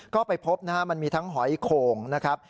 ก็ไปพบนะฮะมันมีทั้งหอยโข่งนะครับ